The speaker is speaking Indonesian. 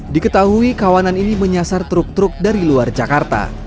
diketahui kawanan ini menyasar truk truk dari luar jakarta